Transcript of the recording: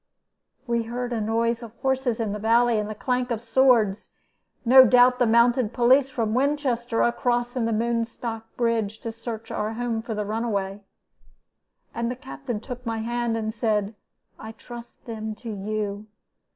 "We heard a noise of horses in the valley, and the clank of swords no doubt the mounted police from Winchester a crossing of the Moonstock Bridge to search our house for the runaway. And the Captain took my hand, and said, 'I trust them to you.